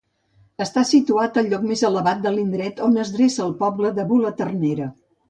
Està situat al lloc més elevat de l'indret on es dreça el poble de Bulaternera.